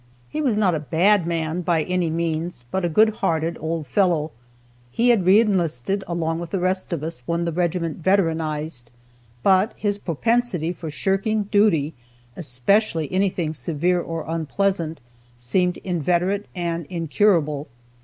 He was not a bad man, by any means, but a good hearted old fellow. He had re enlisted, along with the rest of us, when the regiment "veteranized." But his propensity for shirking duty, especially anything severe or unpleasant, seemed inveterate and incurable.